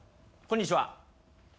こんにちは。